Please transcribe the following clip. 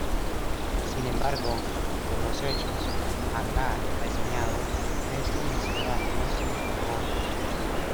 Sin embargo, por los hechos acá reseñados, esta emisora no se entregó.